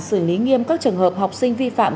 xử lý nghiêm các trường hợp học sinh vi phạm